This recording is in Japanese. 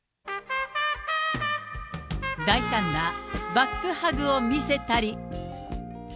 大胆なバックハグを見せたり。